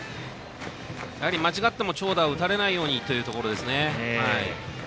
間違っても長打を打たれないようにというところですね。